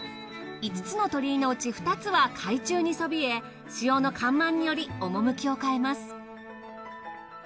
５つの鳥居のうち２つは海中にそびえ潮の干満により趣を変えます。